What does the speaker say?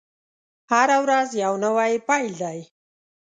هره ورځ يو نوی پيل دی.